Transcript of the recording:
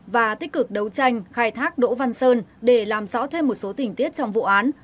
và tích cực đấu tranh khai thác đỗ văn sơn để làm rõ thêm một số tình tiết trong vụ án